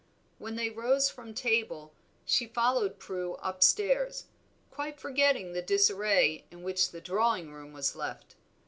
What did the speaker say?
When they rose from table she followed Prue up stairs, quite forgetting the disarray in which the drawing room was left.